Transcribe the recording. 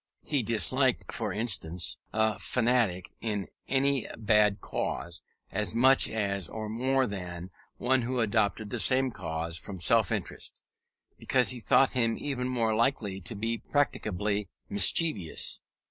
He disliked, for instance, a fanatic in any bad cause, as much as or more than one who adopted the same cause from self interest, because he thought him even more likely to be practically mischievous.